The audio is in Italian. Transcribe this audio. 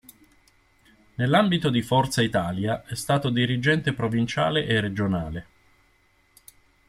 Nell'ambito di Forza Italia è stato dirigente provinciale e regionale.